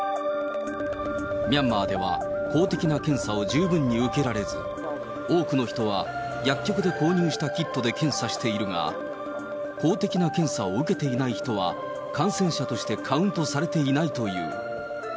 ミャンマーでは、公的な検査を十分に受けられず、多くの人は薬局で購入したキットで検査しているが、公的な検査を受けていない人は、感染者としてカウントされていないという。